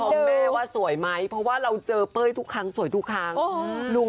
ในหัวสวยไหมเพราะว่าเราเจอเป้ยทุกครั้งสวยดูขัง